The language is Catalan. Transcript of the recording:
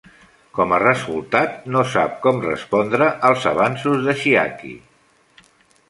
Com a resultat, no sap com respondre als avanços de Chiaki.